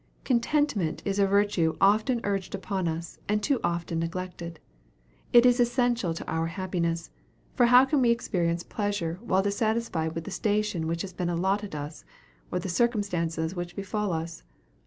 Contentment is a virtue often urged upon us, and too often neglected. It is essential to our happiness; for how can we experience pleasure while dissatisfied with the station which has been allotted us, or the circumstances which befall us?